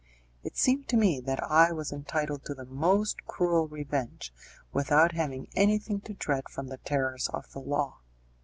It seemed to me that I was entitled to the most cruel revenge, without having anything to dread from the terrors of the law.